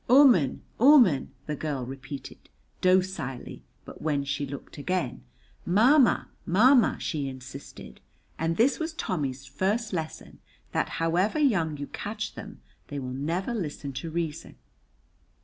"Ooman ooman," the girl repeated, docilely, but when she looked again, "Ma ma, ma ma," she insisted, and this was Tommy's first lesson that however young you catch them they will never listen to reason.